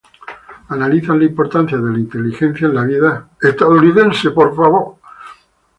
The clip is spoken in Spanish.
Analizan la importancia de la inteligencia en la vida estadounidense.